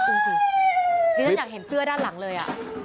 อุ๊ยจริงนั่นอยากเห็นเสื้อด้านหลังเลย